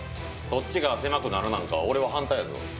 そっちが狭くなるなんか俺は反対やぞ。